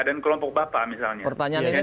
dan kelompok bapak misalnya pertanyaan ini